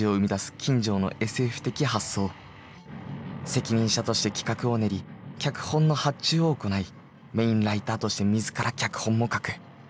責任者として企画を練り脚本の発注を行いメインライターとして自ら脚本も書く。